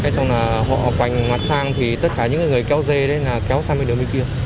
xong rồi họ quảnh mặt sang thì tất cả những người kéo dê kéo sang bên đường bên kia